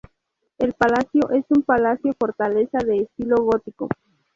El Palacio es un palacio-fortaleza de estilo gótico.